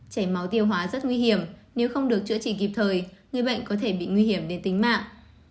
chảy máu tiêu hóa rất nguy hiểm nếu không được chữa trị kịp thời người bệnh có thể bị nguy hiểm đến tính mạng